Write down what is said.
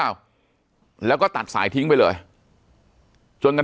ปากกับภาคภูมิ